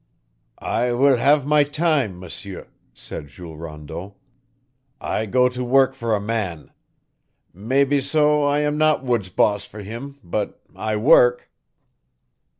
"I will have my time, M'sieur," said Jules Rondeau. "I go to work for a man. Mebbeso I am not woods boss for heem, but I work."